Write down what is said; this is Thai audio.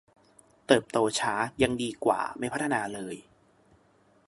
เติบโตช้ายังดีกว่าไม่พัฒนาเลย